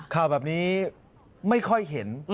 ข่าวแบบนี้ไม่ค่อยเห็น